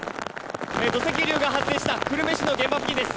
土石流が発生した久留米市の現場付近です。